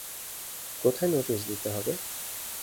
কোথায় নোটিশ দিতে হবে?